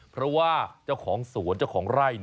เพราะว่าเจ้าของสวนเจ้าของไร่